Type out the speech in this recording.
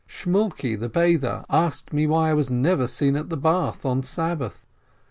Shmuelke the bather asked me why I was never seen at the bath on Sabbath.